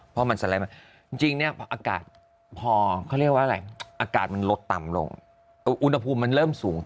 พอมันสไลด์มาจริงเนี่ยอากาศพอเขาเรียกว่าอะไรอากาศมันลดต่ำลงอุณหภูมิมันเริ่มสูง